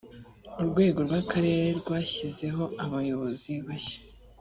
urwego rw’ akarere rwashyizeho abayobozi bashya.